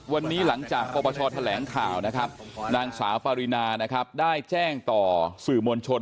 วันนี้หลังจากปปชแถลงข่าวนางสาวฟารินาได้แจ้งต่อสื่อมวลชน